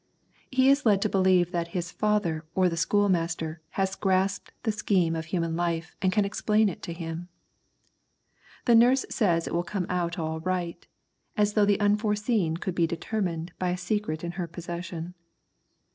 He is led to believe that his father or the schoolmaster has grasped the scheme of human life and can explain it to him. The nurse says it will come out all right, as though the Unforeseen could be determined by a secret in her possession.